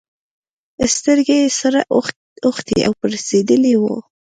سترگه يې سره اوښتې او پړسېدلې وه.